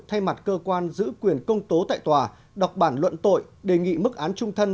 thay mặt cơ quan giữ quyền công tố tại tòa đọc bản luận tội đề nghị mức án trung thân